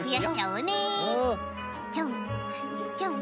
うん！